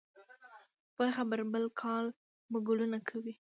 خدای خبر؟ بل کال به ګلونه کوي